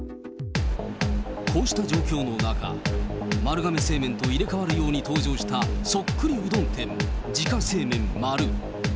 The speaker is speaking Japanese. こうした状況の中、丸亀製麺と入れ替わるように登場した、そっくりうどん店、自家製麺丸。